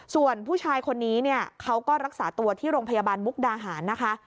ส่วนผู้ชายคนนี้เนี่ยเขาก็รักษาตัวที่โรงพยาบาลมุกดาหารนะคะ